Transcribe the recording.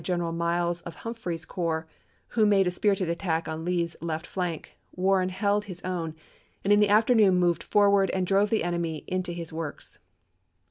There, gallantly supported by General Miles of Humphreys's corps, who made a spirited attack on Lee's left flank, Warren held his own, and in the afternoon moved forward and drove the enemy into his works.